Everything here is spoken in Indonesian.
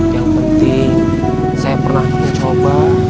yang penting saya pernah mencoba